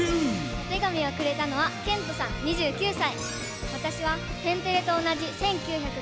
お手紙をくれたのはけんとさん２９歳。